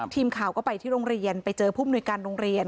ทีมข่าวก็ไปที่โรงเรียนไปเจอผู้มนุยการโรงเรียน